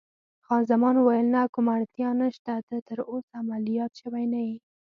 خان زمان وویل: نه، کومه اړتیا نشته، ته تراوسه عملیات شوی نه یې.